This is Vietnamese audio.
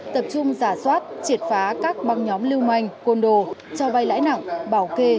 tập trung giả soát triệt phá các băng nhóm lưu manh côn đồ cho vai lãi nặng bảo kê